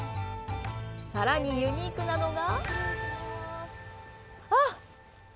さらに、ユニークなのが。